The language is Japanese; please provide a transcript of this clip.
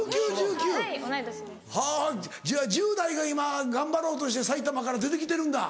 はぁじゃあ１０代が今頑張ろうとして埼玉から出て来てるんだ。